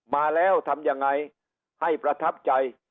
มาแล้วทำยังไงให้ประทับใจ